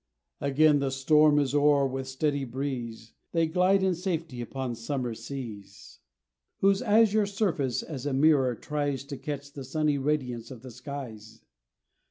Again the storm is o'er, with steady breeze They glide in safety upon summer seas, Whose azure surface as a mirror tries To catch the sunny radiance of the skies.